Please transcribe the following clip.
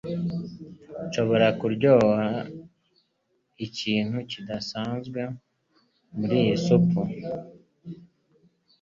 Nshobora kuryoha ikintu kidasanzwe muriyi supu.